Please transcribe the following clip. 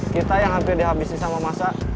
kita yang hampir dihabisi sama masa